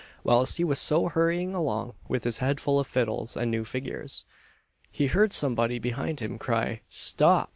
Whilst he was so hurrying along, with his head full of fiddles and new figures, he heard somebody behind him cry "Stop!"